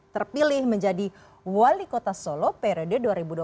terpilih menjadi wali kota solo periode dua ribu dua puluh satu dua ribu dua puluh empat